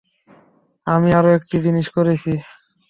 আমি আরো একটি জিনিস করেছি।